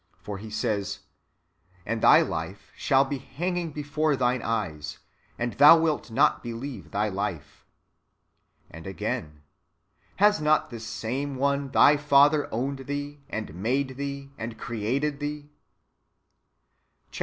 For he says, " And thy life shall be hanging before thine eyes, and thou wait not believe thy life." ^ And again, " Has not this same one thy Father owned thee, and made thee, and created thee r'^ Chap.